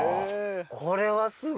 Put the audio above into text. これはすごい。